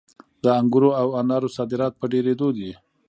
د انګورو او انارو صادرات په ډېرېدو دي.